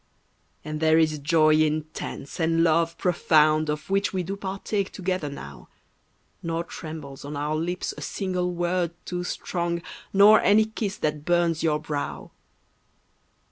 And there is joy intense and love profound Of which we do partake together now, Nor trembles on our lips a single word Too strong, nor any kiss that burns your brow.